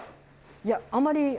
いやあまり。